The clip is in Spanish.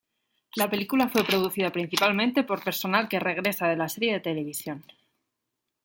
La película fue producida principalmente por personal que regresa de la serie de televisión.